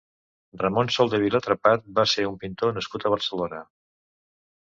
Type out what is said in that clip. Ramon Soldevila Trepat va ser un pintor nascut a Barcelona.